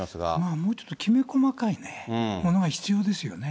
もうちょっときめ細かいものが必要ですよね。